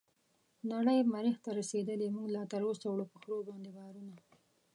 نړۍ مريح ته رسيدلې موږ لا تراوسه وړو په خرو باندې بارونه